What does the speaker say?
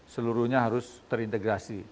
seluruhnya harus terintegrasi